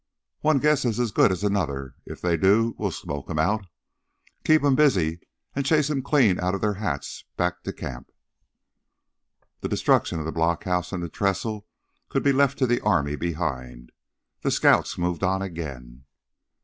"One guess is as good as another. If they do, we'll smoke them out. Keep 'em busy and chase 'em clean out of their hats and back to camp." The destruction of the blockhouse and the trestle could be left to the army behind; the scouts moved on again.